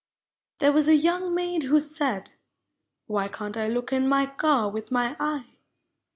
There was a young maid who said, " Why Can't I look in my ear with my eye?